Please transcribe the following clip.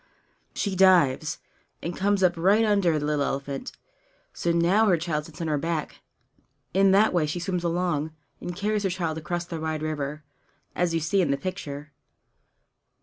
She dives, and comes up right under the little elephant; so now her child sits on her back. In that way she swims along, and carries her child across the wide river, as you see in the picture.